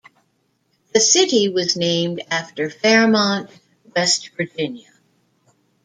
The city was named after Fairmont, West Virginia.